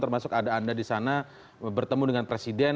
termasuk ada anda disana bertemu dengan presiden